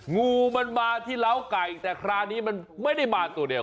งูมันมาที่เล้าไก่แต่คราวนี้มันไม่ได้มาตัวเดียว